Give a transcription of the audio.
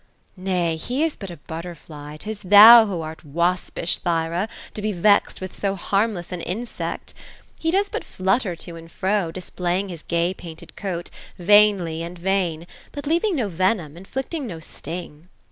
" Nay, he is but a butterfly. 'Tis thou who art waspish, Thyra, to be vexed with so harmless an insect. He does but flutter to and fro, displaying his gay painted coat, vainly, and vain ; but leaving no Yenom, .inflicting no sting."